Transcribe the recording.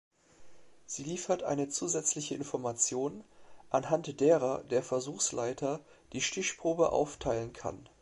Sie liefert eine zusätzliche Information anhand derer der Versuchsleiter die Stichprobe aufteilen kann.